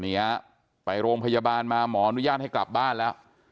นี่ฮะไปโรงพยาบาลมาหมออนุญาตให้กลับบ้านแล้ว